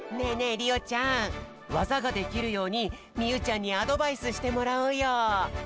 えりおちゃんワザができるように望結ちゃんにアドバイスしてもらおうよ。